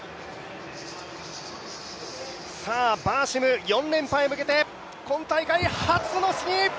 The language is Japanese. バーシム、４連覇へ向けて今大会初の試技！